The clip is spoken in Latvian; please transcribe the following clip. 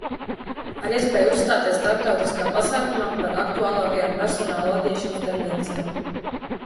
Ar iespēju uzstāties starptautiskā pasākumā par aktuālākajām personāla vadīšanas tendencēm.